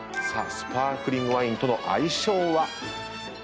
スパークリングワインとの相性は？